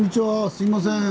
すいません。